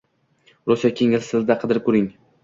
rus yoki ingliz tilida qidirib ko’ring